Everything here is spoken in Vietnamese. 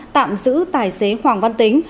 tạm giữ tài xế hoàng văn tính